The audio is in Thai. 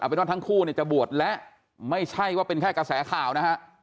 เป็นว่าทั้งคู่เนี่ยจะบวชและไม่ใช่ว่าเป็นแค่กระแสข่าวนะฮะ